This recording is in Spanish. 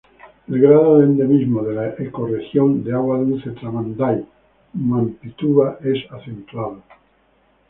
El grado de endemismo de la ecorregión de agua dulce Tramandaí-Mampituba es acentuado.